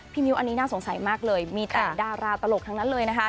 มิ้วอันนี้น่าสงสัยมากเลยมีแต่ดาราตลกทั้งนั้นเลยนะคะ